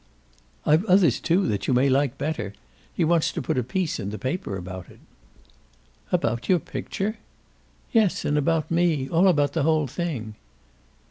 "I've others too that you may like better. He wants to put a piece in the paper about it." "About your picture?" "Yes, and about me. All about the whole thing."